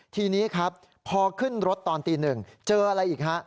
ทีนี้ครับพอขึ้นรถตอนตีหนึ่งเจออะไรอีกฮะ